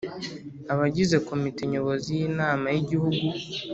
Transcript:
abagize Komite Nyobozi y Inama y Igihugu